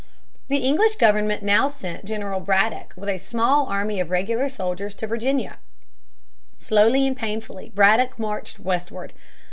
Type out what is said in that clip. The English government now sent General Braddock with a small army of regular soldiers to Virginia. Slowly and painfully Braddock marched westward.